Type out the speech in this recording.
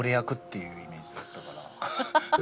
ハハハハ！